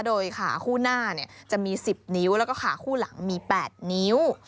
โดยขาคู่หน้าจะมี๑๐นิ้วแล้วก็ขาคู่หลังมี๘นิ้ว